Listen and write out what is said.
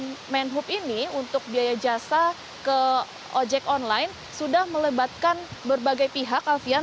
dari menhub ini untuk biaya jasa ke ojek online sudah melebatkan berbagai pihak alfian